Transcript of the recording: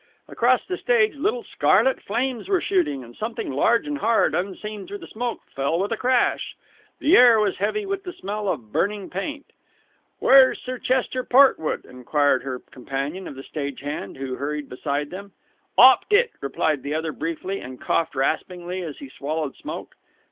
Across the stage little scarlet flames were shooting, and something large and hard, unseen through the smoke, fell with a crash. The air was heavy with the smell of burning paint. "Where's Sir Chester Portwood?" enquired her companion of the stage hand, who hurried beside them. "'Opped it!" replied the other briefly, and coughed raspingly as he swallowed smoke.